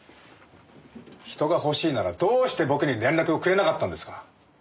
人が欲しいならどうして僕に連絡をくれなかったんですか？